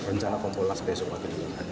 rencana kompulas besok